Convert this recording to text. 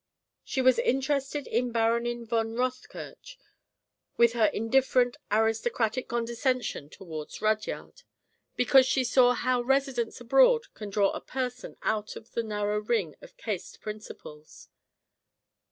She was interested in Baronin von Rothkirch, with her indifferent, aristocratic condescension towards Rudyard, because she saw how residence abroad can draw a person out of the narrow ring of caste principles.